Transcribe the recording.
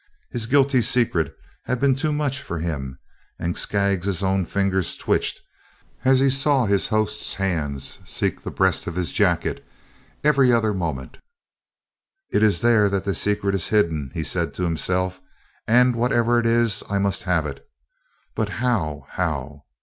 His guilty secret had been too much for him, and Skaggs's own fingers twitched as he saw his host's hands seek the breast of his jacket every other moment. "It is there the secret is hidden," he said to himself, "and whatever it is, I must have it. But how how?